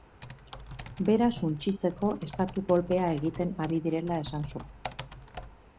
Bera suntsitzeko estatu kolpea egiten ari direla esan zuen.